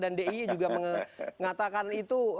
dan di juga mengatakan itu